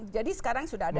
jadi sekarang sudah ada